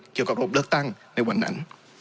เกี่ยวกับระบบเลือกตั้งในวันนั้น